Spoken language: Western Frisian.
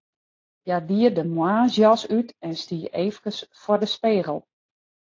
Hja die de moarnsjas út en stie efkes foar de spegel.